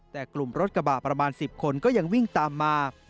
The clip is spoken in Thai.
แต่กลุ่มรถกระบะประมาณ๑๐คนก็ยังวิ่งตามมา